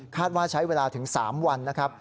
ว่าใช้เวลาถึง๓วันนะครับ